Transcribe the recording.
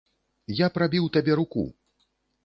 Я прабіў табе руку!